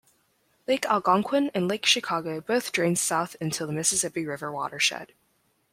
Lake Algonquin and Lake Chicago both drained south into the Mississippi River watershed.